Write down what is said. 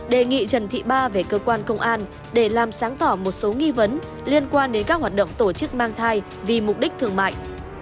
đề nghị trần thị ba về cơ quan công an để làm sáng tỏ một số nghi vấn liên quan đến các hoạt động tổ chức mang thai vì mục đích thương mại